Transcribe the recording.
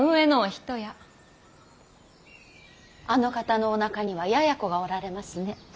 あの方のおなかにはややこがおられますね。